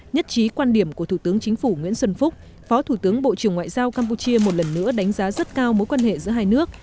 nhất trí quan điểm của thủ tướng chính phủ nguyễn xuân phúc phó thủ tướng bộ trưởng ngoại giao campuchia một lần nữa đánh giá rất cao mối quan hệ giữa hai nước